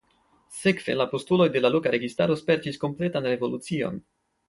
Sekve la postuloj de la loka registaro spertis kompletan revolucion.